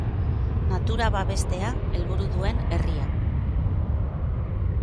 Natura bebestea helburu duen herria.